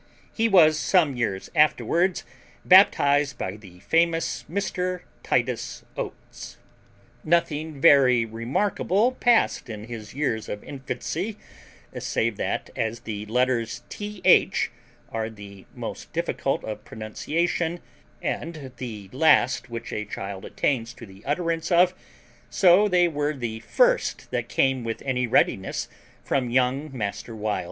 He was some years afterwards baptized by the famous Mr. Titus Oates. Nothing very remarkable passed in his years of infancy, save that, as the letters TH are the most difficult of pronunciation, and the last which a child attains to the utterance of, so they were the first that came with any readiness from young master Wild.